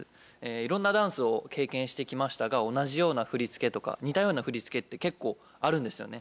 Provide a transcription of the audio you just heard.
いろんなダンスを経験してきましたが同じような振り付けとか似たような振り付けって結構あるんですよね。